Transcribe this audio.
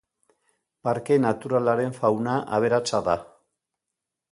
Parke naturalaren fauna aberatsa da.